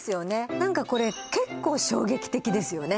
何かこれ結構衝撃的ですよね